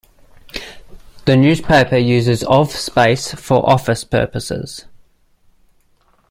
The newspaper uses of space for office purposes.